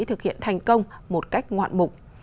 thực hiện thành công một cách ngoạn mục